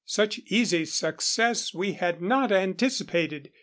Such easy success we had not anticipated.